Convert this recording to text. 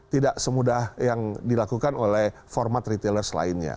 tidak semudah yang dilakukan oleh format retailers lainnya